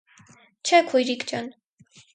- Չէ, քույրիկ ջան.